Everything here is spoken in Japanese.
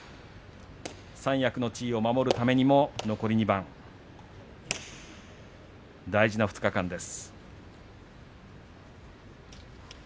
三役の地位を守るためにも残り２番、大事な２日間です。